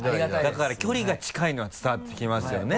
だから距離が近いのは伝わってきますよね